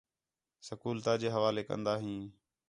سکول تاجے حوالے کندا ہیں